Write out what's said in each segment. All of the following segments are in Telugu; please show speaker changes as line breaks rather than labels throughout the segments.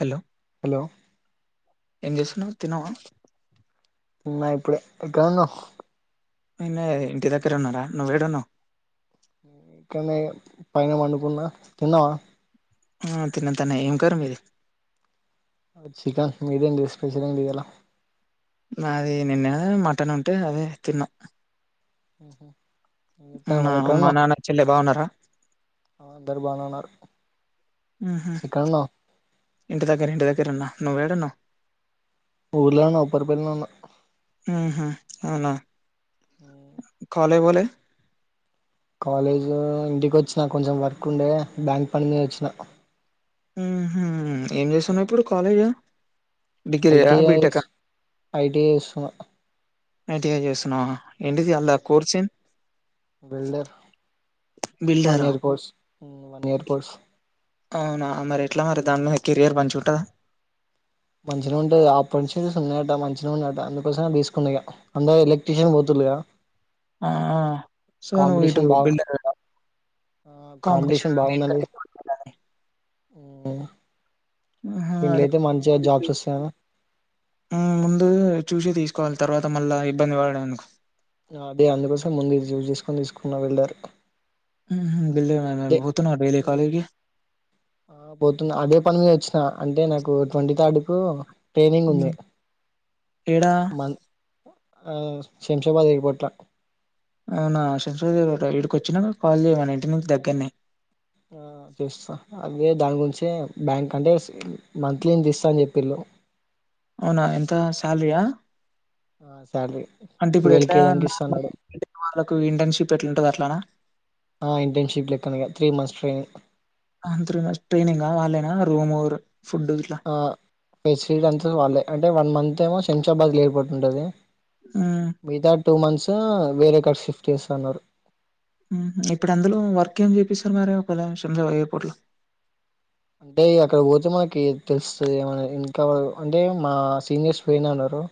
హలో
హలో
ఎంచేస్తున్నావా తనవ
నా ఇప్పుడే ఎక్కన్నా
నన్న ఇంటి దగ్గర ఉన్నారా నువ్వేడు నువ్
ఇకనే పైన పందుకాణా తిన్నావా
ఆ తిన్న తనే ఏం కరు మీరు
చికన్ మీదంట స్పెష్యల్ ఉంటలా
నాది నిన్న మటన్ ఉంటే అదే తిన్నా నా
మరిక్క
మా నాన్న చెల్లె బాగున్నారా
ఆద్దర్ బానన్నారు
ఉహు
ఇక్కడన్నా
ఇంటి దగ్గర ఇంటి దగ్గర అన్న నువ్వేడ నువ్
ఊర్లో ఉన్నా ఉప్పరిపల్లిలో ఉన్నా
ఉహు అవునా కాలేజకే పోలా
కాలేజ్ ఇంటికి వచ్చినా కొంచెం వర్క్ ఉండే బ్యాంక్ పని మీద వచ్చినా
ఉ ఏం చేస్తున్నా్ ఇప్పుడు కాలేజ్ డిగ్రీయా
ఐడిస్
బీటెకా
ఐడిస్ చస్తున్నా
ఐటిఐ చేస్తున్నా ఏంటిది అల్లా కోర్చు
బల్డర్ వన్
బిల్డరా
year course one year course
అవునా మరి ఎట్లా మరి దానిలోద కెరయర్ పంచి ఉంటుందా
మంచిగా ఉంటంది ఆపర్చునిటీస్ ఉన్నాయట మంచిగానే ఉండట అందుకోసం తీసుకున్నా అందరు ఎలక్ట్రిషియన్ పోతు లేద
ఆ సో నువ్ ఇటు
బాగా
బిల్డర్
ఆ కాంపిటీేషన్
కాంపిటీషన్
బాగుందండి
దేనికంటే
దీంట్లో
అదే
అయితే మంచిగా జాబ్స్ వస్తాయని
ముందు చూసి తీసు తీసుకోవాలి తర్వాత మళ్ళ ఇబ్బంది పడ అనుకు
అదే అందుకోసం ముందు ఇది చూ చేసుకొని తీసుకున్నా వెళ్ళారు
ఆహ
అదే ఆ పోతుంది అదే పని మీద వచ్చింది అంటే నాకు ట్వంటీ థర్డ్ కు ట్రైనింగ్
హ్మ్.
ఉంది
ఏడా?
మంత ఆ శంషా బధకిపోట్ట
అవునా శంసదేవి గ వీడికి వచ్చినాక కాల్ చేయడి ఇంటి నుంచి దగ్గరనే
ఆ చూస్తా అదే దాని గురించి బ్యాంక్ అంటే మంత్లీని ఇస్తా అని చెప్పిళు
అవునా ఎంత శాలరియా
శాలరీ
అంటే ఇప్పుడు
ట్వెల్వ్
ఎట్లా
కే దాక ఇస్తా అన్నాడు
వాళ్ళకు ఇంటర్న్షిప్ ఎట్లాంటంది అట్లనా
ఆ ఇంటర్న్షిప్ లెక్కన గా త్రీ మంత్స్ ట్రైనింగ్
అ త్రీ మంత్స్ ట్రైనింగా వాళ్లేనా రూము ఫుడ్ ఇట్లా?
ఆ ఫెసిలిటీ అంతా వాళ్ళే అంటే వన్ మంత్ ఏమో శంషాబాద్ ఎయిర్పోర్ట్ లో ఉంటది
మ్మ్
మిగతా టూ మంత్స్ వేరే కాడ షిఫ్ట్ చేస్తన్నారు
మ్ హు ఇప్పుడు అందులో వర్క్ ఏం చేపిస్తారు మరి ఒకలా శంషాబాద్ ఎయిర్పోర్ట్లో
అంటే అక్కడ పోతే మనకి తెలుస్తది ఏమనేది ఇంకా వాళ్ళు అంటే మా సీనియర్స్ ఫ్రీనే అన్నారు ఒ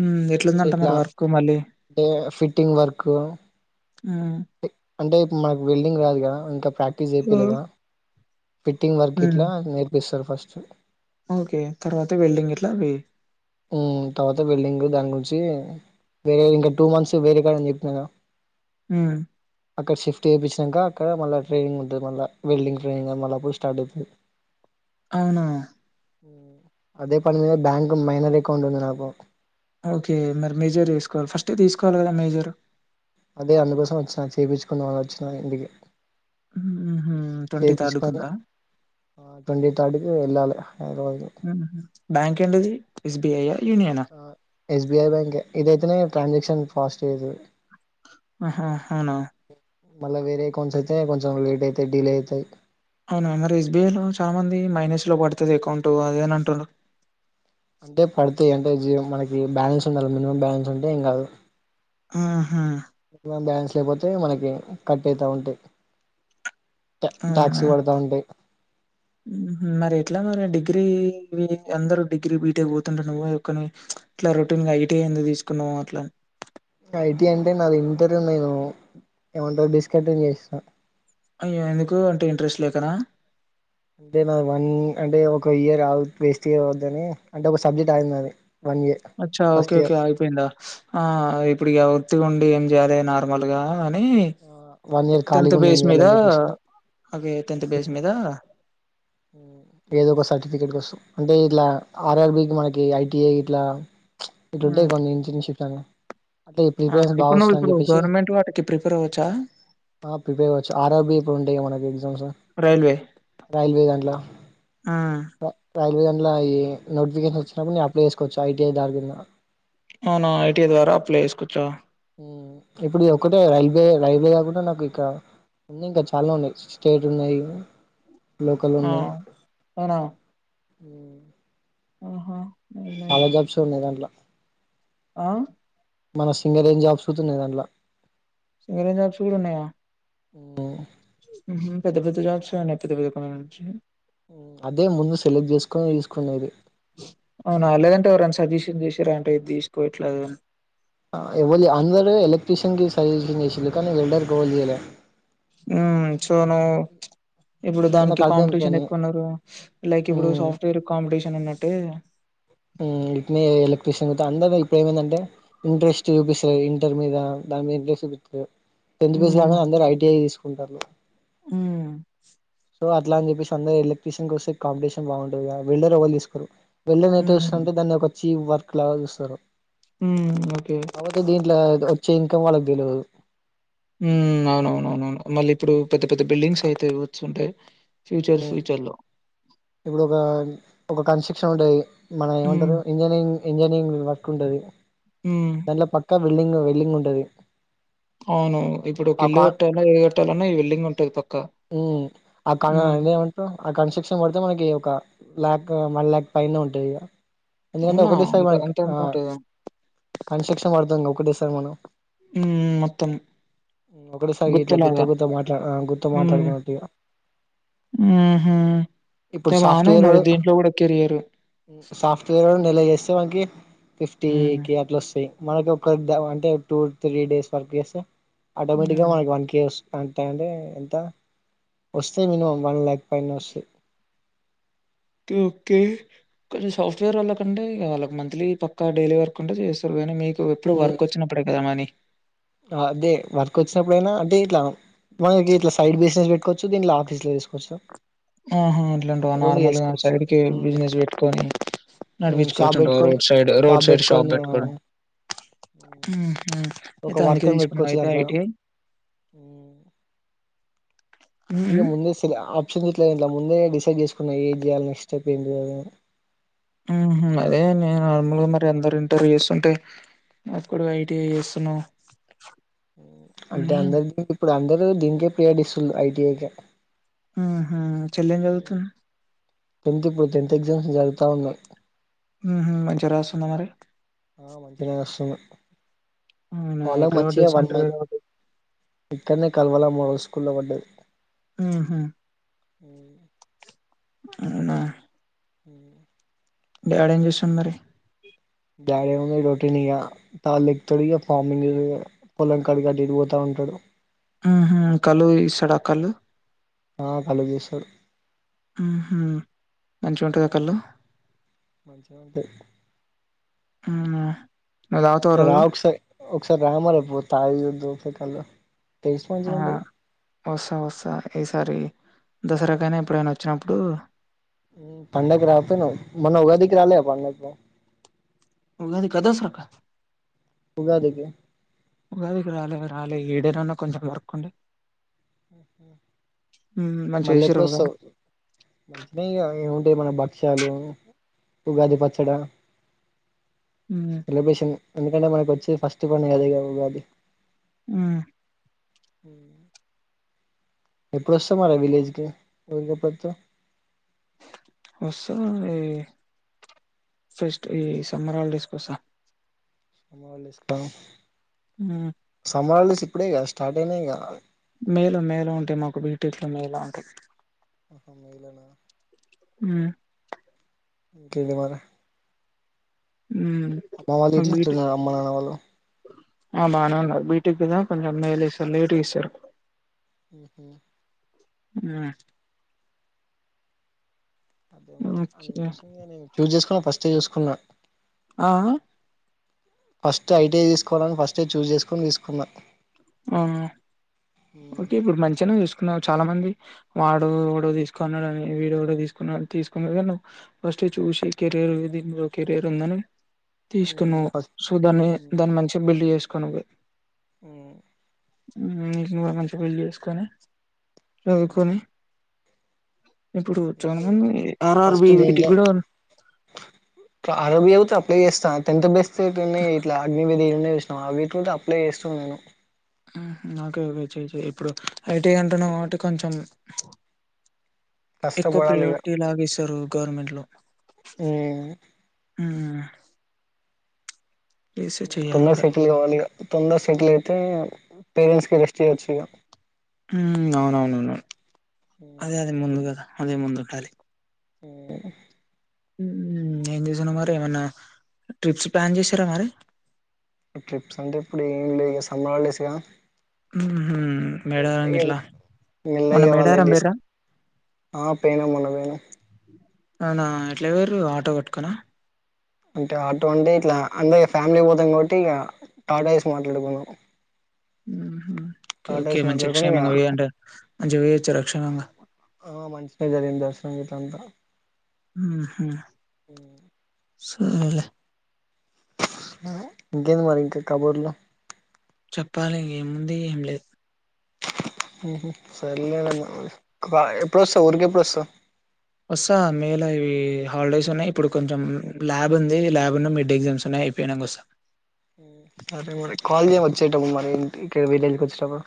మ్మ్మ్ ఎట్లుందంట మీరు వర్క్ మళ్ళీ
టే ఫిట్టింగ్ వర్క్
హ్మ్
అంటే ఇప్పుడు మనకు వెల్డింగ్ రాదుగ ఇంకా ప్రాక్టీస్
హ్మ్.
జేపిలేద ఫిట్టింగ్ వర్క్
హ్మ్.
ఇట్లా నేర్పిస్తారు ఫస్ట్
ఓకే తర్వాత వెల్డింగ్ ఇట్లా అవి
మ్ తర్వాత వెల్డింగ్ దాని గురించి వరే ఇంకా టూ మంత్స్ వరే కాడ అని చెప్పినాన
హ్మ్
అక్కడ షిఫ్ట్ చేపించినాక అక్కడ మళ్ళ ట్రైనింగ్ ఉంటుంది మళ్ళ వెల్డింగ్ ట్రైనింగ్ మళ్ళ అప్పుడు స్టార్ట్ అవుతది
అవునా
అదే పని మీద బ్యాంక్ మైనర్ అకౌంట్ ఉంది నాకు
ఓకే మరి మెజర్ తీసుకోవాలి ఫస్ట్ తీసుకోవాలి కదా మెజర్
అదే అందుకోసం వచ్చినా చేపించుకుందమనే వచ్చినా ఇంటికి
హ్మ్ హు
చేపించుకొని ఆ ట్వంటీ థర్డ్ కి వెళ్ళాలి యాన్యువల్ డే కి
హుహు. బ్యాంక్ ఏంటది ఎస్ బి ఐ యా యూనియనా
ఎస్బిఐ బ్యాంకే ఇదైతేనే ట్రాన్సాక్షన్ ఫాస్ట్ గ అయితది
ఆహా అవునా
మళ్ళ వేరే ఎకౌంట్స్ అయితే కొంచెం లేట్ అయితే డిలే అయితయి
అవున మరి ఎస్బీఐ లో చాలా మంది మైనస్ లో పడతది అకౌంట్ అది అని అంటురు
అంటే పడితయ్ అంటే జి మనకి బ్యాలెన్స్ ఉండాలి మినిమం బ్యాలెన్స్ ఉంటే ఏం కాదు
ఆహా
మినిమమ్ బ్యాలెన్స్ లేకపోతే మనకి కట్ అయితా ఉంటాయి ట టాక్సీ
అవునా?
పడతా ఉంటది
మరి ఎట్లా మరి డిగ్రీ అందరు డిగ్రీ బీటేక్ పోతుంటారు నువ్వు ఒక్కనివి ఇట్లా రొటీన్ గా ఐటీఐ ఎందుకు తీసుకున్నావ్ అట్లా
ఐటీ అంటే నాది ఇంటర్ నేను ఏమంటరు డిస్కంటిన్యూ చేసా
అయ్యో ఎందుకు అంటే ఇంట్రెస్ట్ లేకన
అంటే నాది వన్ అంటే ఒక ఇయర్ వేస్ట్ కావద్దని అంటే ఒక సబ్జెక్ట్ ఆగింది నాది
అచ్చా ఓకే ఓకే ఆగిపోయిందా ఆ ఇప్పుడు ఇగ ఒత్తిగా ఉండి ఏం చేయ్యాలి నార్మల్ గా కానీ
వన్ ఇయర్ ఖాళీగా
టెన్త్
ఉండి ఏం
బేస్ మీద
చేయాలని చెప్పేసి
అదే టెన్త్ బేస్ మీద
ఏదో ఒక సర్టిఫికెట్ కోసం అంటే ఇట్లా ఆర్ఆర్ బి కి మనకి ఐటిఐ ఇట్లా ఇంటా
హ్మ్.
కొన్ని ఇంచుంచు చాల అంటే ఈ
ఆ!
ప్రిపేరెన్స్ బా
ఇప్పుడు నువ్వు
వస్తాతన్
ఇప్పుడు
చెప్పేసి
గవర్నమెంట్ వాటికి ప్రిపేర్ అవ్వచ్చా?
ప్రిపేర్ అవ్వచ్చు ఆర్ ఆర్బి ప్పుడు ఉంటాయ్ కద మనకి ఎగ్జామ్స్ రైల్వే
ఆ
రైల్వ గంటల ఈ నోటిఫికేషన్ వచ్చినప్పుడు అప్లై చేసుకోవచ్చు ఐటీఐ దారి కింద
అవునా! ఐటీఐ ద్వారా అప్లై చేసుకోవచ్చా?
ఇప్పుడు ఒక్కటే రైల్వే రైల్వే కాకుండా నాకు ఇక ఉన్నాయి ఇంకా చాలా ఉన్నాయి స్టేట్ ఉన్నాయి లోకల్
ఆ పోయినవ
ఉ
ఆహా నైస్ నైస్.
చాలా జాబ్స్ ఉన్నాయి దాంట్లో
ఆ
మన సింగల్ ఏం జాబ్స్తున్నాయి దాంట్లో
వేరే జాబ్స్ కూడా ఉన్నాయా
ఓ
పెద్ద పెద్ద జా స అ పెద్ద
అదే ముందు సెలెక్ట్ చేసుకొని తీసుకునేది
అవునా లేదంటే ఎవరైనా సజెషన్ చేసారా అంటే ఇది తీసుకోవట్లేదని
వ అందరు ఎలక్ట్రిషియన్ కి సజెషన్ చేసిరు కానీ వెల్డర్కివలి
హ్మ్మ్ చొనో ఇప్పుడు దానికి
నాకు
కాంపిటీషన్
అర్థమైపోయింది
ఎక్కువ ఉన్నారు లైక్ ఇప్పుడు సాఫ్ట్వేర్ కాంపిటీషన్ ఊన్నట్టు టే
ఇటినే ఎలక్ట్ర్రిషియన్ అందరుూ ఇప్పుడ ఏమైందంటే ఇంట్రెస్ట్ చూపిస్తారు ఇంటర్ మీద దాని మీద ఇంట్రెస్ట్ చూపిస్తారు టెన్త్ కంగనే అందరు ఐటీఐ తీసుకుంటారు
హ్మ్మ్
సో అట్లే అని చెప్పేసి అందరు ఎలక్ట్రిషియన్ వస్తే కాంపిటీషన్ బాగుంటంది వెల్డర్వ తీసుకో వెల్డర్
హ్మ్.
టే దాన్ని ఒక చీప్ వర్క్ లా చూస్తారు
హ్మ్. ఓకే.
కాపోతే దీంట్లో చ్చ ఇన్కమ్ వాళ్ళకి తెలియదు
ఉ అవునవునవునవును మళ్ళీ ఇప్పుడు పెద్ద పెద్ద బిల్డింగ్స్ అయితే వచ్చుంటాయి ఫ్యూచర్ ఫ్యూచర్ లో
ఇప్పుడు ఒక ఒక కన్స్ట్రక్షన్ ఉంటేది మన
హ్మ్.
ఏమంటారు ఇంజనీరింగ్ ఇంజనీరింగ్ వర్క్ ఉంటుంది
హ్మ్.
దాంట్లో పక్కా వెల్డింగ్ వెల్డింగ్ ఉంటుంది
అవును ఇప్పుడు ఒక ఇల్లు కట్టాల ఏ కట్టాలన్నా ఈ వెల్డింగ్ ఉంటుది పక్క
హ్మ్మ్ ఆ క ఏమంటారు ఆ కన్స్ట్రక్షన్ పడితే మనకి ఒక లాక్ వన్ లాక్ పైనే ఉంటుంది ఇక ఎందుకంటే
అవునా?
ఒకటేసారి
అంత
మనకి
అంత అంత ఉంటదా?
కన్స్ట్రక్షన్ పడుతుం ఒకటే సార్ మనం
హ్మ్. హ్మ్. మొత్తం
ఒకటే సారి ఇట్లా
గుత్తలాగా.
గుత్త గుత్త మాట్లా గుత్త మాట్లాడుకున్నట్టు ఈడ
ఆహ అే బానే ఉన్నారు
సాఫ్ట్వేరోడు
దీంట్లో కూడా కెరియర్
సాఫ్ట్వేరోడు నెల చేేస్తే మనకి ఫిఫ్టీ
హ్మ్.
కే అట్ల వస్తాయి మనకు ఒక అంటే టూ త్రీ డేస్ వర్క్ చేస్తే ఆటోమేటిక్గా
హ్మ్.
మనకి వన్ కే వస్తున్ అంటే అంటే ఎంత వస్తే మినిమం వన్ ల్యాక్ పైన వస్తాయి
టెన్త్ కొంచెం సాఫ్ట్వేర్ వాళ్ళకంటే ఇ వాళ్ళకి మంత్లీ పక్క డైలీ వర్క్ అంటే చేస్తారు కానీ మీ ఎప్పుడు వర్క్ వచ్చినప్పుడే కదా మని
అదే వర్క్ వచ్చినప్పుడైనా అంటే ఇట్ల మనకి ఇట్ల సైడ్ బిజినెస్ పెట్కోవచ్చు దీంట్ల ఆఫీస్ లో తీసుకోవచ్చు
ఆహా అట్లాంట్వా నార్మల్గా సైడ్ కి బిజినెస్ పెట్టుకని
షాప్
నడిపించుకోవచ్చుంటవ
పెట్టుకొని
road side road side shop
పెట్టుకొని
పెట్టుకోవడం ఉహు
ఒక
అయితే అందుకే
వర్కర్ని
తీసుకున్నావ
పెట్టుకోవచ్చు
అయితే ఐటిఐ
అంతే
హుహు.
ముందే ఆప్షన్స్ ఇట్ల ముందే డిసైడ్ చేసుకున్నా ఏం చేయాలి నెక్స్ట్ స్టెప్ ఏంటి దది అని
ఉ హు నే నార్మల్గా మరి అందరు ఇంటర్వ్యూ చేస్తుంటే అది కూడా ఐ టి ఐ చేస్తున్నావూ
అంటే అందరి ఇప్పుడు అందరు దీనికే ప్రయాటిస్తున్నర్ ఐటిఐకె
ఆహ చెల్లెం చదువుతుంది
టెన్త్ ఇప్పుడు టెన్త్ ఎగ్జామ్స్ జరుగుతాన్నాయి
అహ మంచిగ రాస్తుందా మరి
ఆ మంచిగా రాస్తుంది
అవునా!
వాళ్ళకు
ఎక్కడ
మంచిగా
పడ్డది
వాళ
సెంటర్
మా
ఎక్కడ పడ్డది?
ఇక్కడ్నే కలవల మోడల్ స్కూల్లో పడ్డది
హుమ్మ్
ఉ [inaudible]
అవున
[inaudible]
డాడ్ ఏం చేస్తుండు మరి
డాడ్ ఏముంది రొటీన్ ఇగ పాల్ తెతడు ఇగా ఫార్మింగ్ పొలం కడికి అటిటు పోతా ఉంటాడు
హుమ్మ్ కల్లు ఈస్తడ కల్లు
ఆ కల్లు తీస్తడు
హుమ్మ్ మంచిగా ఉంటద కల్లు
మంచిగా ఉంటాయి
హ
రా ఒకసారి ఒకసారి రా మరి పు తాగి చూద్దు ఒకసరి కల్లు టేస్ట్
ఆ
మంచిగా ఉంటది
వస వస ఈసారి దసరా కైన ఎప్పుడైనా వచ్చినప్పుడు
పండగ రాకపోయినవ్ మొన్న ఉగాదికి రాలే పండక్కి
ఉగాది కా దసరా కా
ఉగాదికి
ఉగాది కి రాలే రాలే ఇడనున్న కొంచెం వర్క్ ఉండే మ్మ్ మంచిగా
మళ్ళీ ఎప్పుడు
చేసిర్రు
వస్తవ్
ఉగాది
మంచిందే ఇగ ఏమైనా భక్ష్యాలు ఉగాది పచ్చడ
మ్మ్
సెలబ్రేషన్ ఎందుకంటే మనకు వచ్చి ఫస్ట్ పండగె కద ఉగాది
హమ్
హమ్ ఎప్పుడోస్తావ్ మరీ విలేజ్కి ఊరికెపడొత్తావ్
ఓస్తుంది ఫెస్ట్ ఈ సమ్మర్ హాలిడేస్ కి ఓస్తా
సమ్మర్ హాలిడేస్ క
మ్మ్
సమ్మర్ హాలిడేస్ ఇప్పుడే గా స్టార్ట్ అయినాయి గా
మేలో మేలో ఉంటాయి మాకు బీటెక్ లో మేలో ఉంటాయి
అహ మే లోన
హమ్
ఇంకేంది మరి అమ్మ వాళ్ళు
హమ్
గిట్ల
బీటెక్
ఎట్లున్నారు అమ్మ నాన్న వాళ్ళు
ఆ బానే ఉన్న బీటెక్ కదా కొంచెం మేలో ఇస్తారు లేట్గా ఇస్తారు
హుమ్మ్
హమ్
అదే మరి అందుకోసం నేను చూస్ చేసుకున్నా ఫస్ట్ చూసుకున్నా
ఆ
ఫస్ట్ ఐటీ తీసుకోవాలని ఫస్ట్ చూస్ చేసుకొని తీసుకున్నా
ఆ
ఉమ్,
ఓకే ఇప్పుడు మంచిగానే తీస్ చాలా మంది వాడు ఎవడో తీసుకున్నాడుని వీడెవడో తీసుకున్నా తీసుకున్న ఏదన్నా ఫస్ట్ మంచి చూసి కెరీర్ దీంట్లో కెరీర్ ఉందనీ
ఉమ్,
తీసుకున్నా
ఫస్ట్
సో దాన్ని దాన్ని మంచిగా బిల్డ్ చేసుకొడమే
హమ్
హమ్ ఈ సేమ్ కూడా మంచిగా బిల్డ్ చేసుకొని చదువుకొని ఇప్పుడు చాలా
ఏంది
మంది ఆర్ఆర్బి
ఫస్ట్
వీటికి
దేంట్లో
కూడా
కా ఆడ పోయి అప్లై చేస్తా టెన్త్ బేస్ చేసుకొని ఇట్లా అగ్నివేదయిేినాం ఇవి ఉన్నాయి చూస్నవ అవి కూడా అప్లై చేస్తున్న నేను
హుమ్మ్ ఒకే ఒకే చేయి చేయి ఇప్పుడు ఐటీ అంటునవ్ కాబట్టి కొంచెం ఎక్కువ
కష్టపడాలి ఇక
ప్రయారిటీ లాగస్తారు గవర్నమెంట్ లో ఉమ్మ్
తొందర సెటిల్ కావాలి ఇగ తొందర సెటిల్ అయితే పేరెంట్స్‌కి రెస్ట్ ఇయ్యొచ్చు ఇగ
ఉమ్మ్ అవునవునవునవును అదే అదే ముందు కదా అదే ముందు ఖాలీ
ఉమ్మ్
ఉమ్మ్ ఏంచేస్తునవ్ మరి ఏమన్నా ట్రిప్స్ ప్లాన్ చేసారా మరి
ట్రిప్స్ అంటే ఇప్పుడు ఏంలే ఇగ సమ్మర్ హాలిడేస్ గా
మ్మ్ ఉహ్మ్ మేడారం గిల్లా మొన్న
మెల్లగా వాళ్ళ
మేడారం
డిస్
పోయిండ్రా
ఆ పోయినం మొన్న పోయినాం
అవునా ఎట్లా పోయిర్రు ఆటో పట్టుకొనా
అంటే ఆటో అంటే ఇట్లా అందరి ఫ్యామిలీ పోతాం కాబట్టి ఇగ టాటా ఏసీ మాట్లాడుకున్నాం
మ్మ్ ఉమ్మ్ ఓకే ఓకే
టాటాఏసి
మంచిగా
మాట్లాడుకొని ఇక
క్షేమంగ పోయి అంటే మంచిగా వేయొచ్చు రక్షణంగా.
ఆ మంచిగనే జరిగింది దర్శనం గిట్లా అంతా
మ్మ్ ఉహ్మ్
మ్మ్
సర్లే
ఇంకేంది మరి ఇంకా కబుర్లు
చెప్పాలి ఏముంది ఏం లేదు
మ్మ్ హ్మ్ సర్లేలే కదా ఎప్పుడొస్తావ్ ఊరికి ఎప్పుడోస్తావ్
వసా మేల ఇవి హాలిడేస్ ఉన్నాయి ఇప్పుడు కొంచెం ల్యాబ్ ఉంది ల్యాబ్ ఉన్న మిడ్ ఎగ్జామ్స్ ఉన్నాయ్ అయిపోయినంక వసా
మ్మ్ సరే మరి కాల్ చేయి వచ్చేటప్పుడు మరి ఇంటికి విలేజ్‌కి వచ్చేటప్పుడు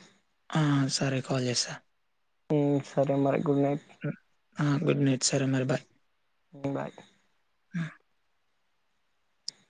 ఆ సరే కాల్ చేసా
ఉమ్ సరే మరి గుడ్ నైట్
ఆ గుడ్ నైట్ సారే మరి బాయ్
బాయ్
మ్మ్